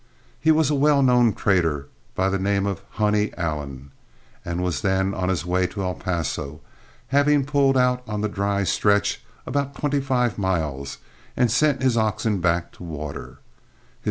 He was a well known trader by the name of "Honey" Allen, and was then on his way to El Paso, having pulled out on the dry stretch about twenty five miles and sent his oxen back to water.